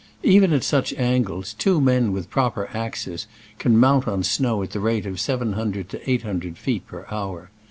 Even at sucli angles, two men with proper axes can mount on snow at the rate of seven hundred to eight hundred feet per hour.